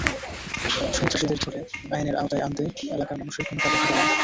সন্ত্রাসীদের ধরে আইনের আওতায় আনতে এলাকার মানুষের ভূমিকা দেখা গেল না।